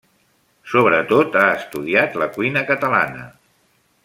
Sobretot ha estudiat la cuina catalana.